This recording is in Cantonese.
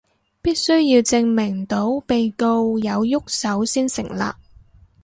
必須要證明到被告有郁手先成立